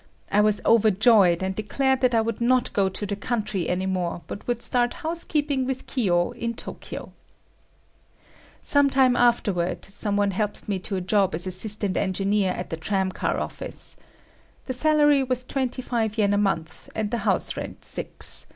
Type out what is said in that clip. I was overjoyed, and declared that I would not go to the country any more but would start housekeeping with Kiyo in Tokyo. Some time afterward, some one helped me to a job as assistant engineer at the tram car office. The salary was 25 yen a month, and the house rent six.